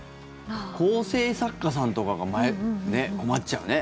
構成作家さんとかが困っちゃうね。